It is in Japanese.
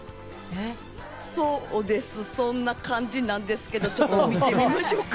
そうです、そんな感じなんですけど、ちょっと見てみましょうか。